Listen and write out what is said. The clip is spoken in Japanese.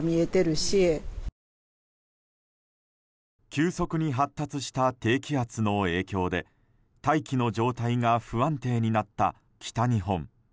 急速に発達した低気圧の影響で大気の状態が不安定になった北日本。